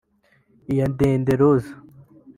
Iyadede Rose